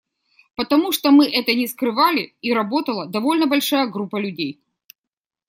Потому что мы это не скрывали, и работала довольно большая группа людей.